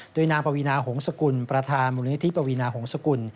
โดยนางปวีนาหงษกุลประธานมูลนิธิปวีนาหงษกุล